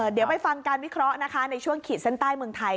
เดี๋ยวไปฟังการวิเคราะห์นะคะในช่วงขีดเส้นใต้เมืองไทย